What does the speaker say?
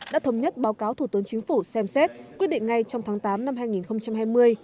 đã thống nhất báo cáo thủ tướng chính phủ xem xét quyết định ngay trong tháng tám năm hai nghìn hai mươi